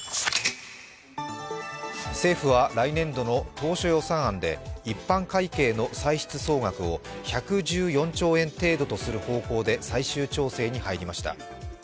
政府は来年度の当初予算案で一般会計の歳出総額を１１４兆円程度とする方向で最終調整に入りました。